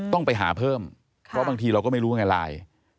ต้องไปหาเพิ่มเพราะบางทีเราก็ไม่รู้ไงไลน์